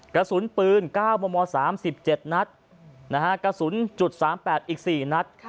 กระสุนปืน๙มม๓๗นัดกระสุน๓๘อีก๔นัด